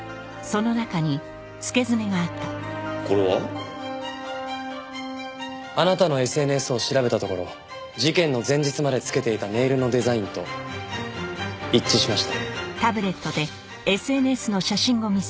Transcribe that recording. これは？あなたのＳＮＳを調べたところ事件の前日までつけていたネイルのデザインと一致しました。